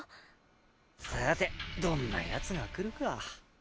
さてどんな奴が来るか。